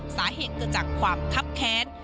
สาเหตุเกิดจากความคับแค้น